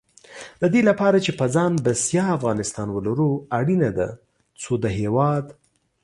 د دې لپاره چې په ځان بسیا افغانستان ولرو، اړینه ده څو د هېواد